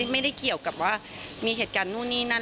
ไม่ได้เกี่ยวกับว่ามีเหตุการณ์นู่นนี่นั่น